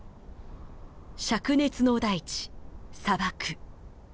灼熱の大地砂漠。